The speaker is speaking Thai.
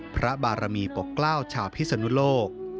พระบารมีปกเกล้าวชาวพิศนุโลก